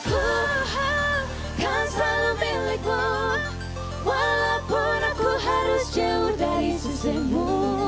dan ku kan selalu milikmu walaupun aku harus jauh dari sesebu